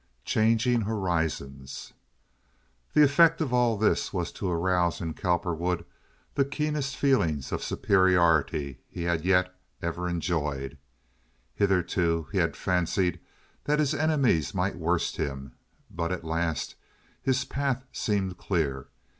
Changing Horizons The effect of all this was to arouse in Cowperwood the keenest feelings of superiority he had ever yet enjoyed. Hitherto he had fancied that his enemies might worst him, but at last his path seemed clear.